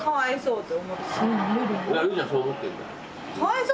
るりちゃんそう思ってんだ。